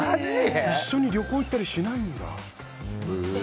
一緒に旅行行ったりしないんだ。